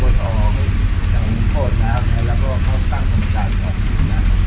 คือผมไม่ออกแต่ผมโถ่นหลักนะแล้วก็เขาต้องประจำกับผมน่ะ